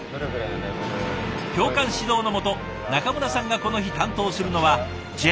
教官指導の下中村さんがこの日担当するのはジェットエンジン。